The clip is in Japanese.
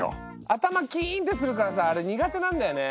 頭キーンってするからさあれ苦手なんだよね。